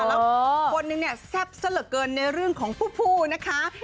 แล้วคนหนึ่งแซ่บเสลอเกินในเรื่องของผู้นะคะ